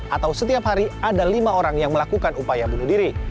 atau setiap hari ada lima orang yang melakukan upaya bunuh diri